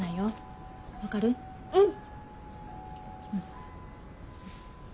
うん？